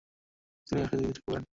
তিনি ব্যবসায়ের দিকে ঝুঁকে পড়েন।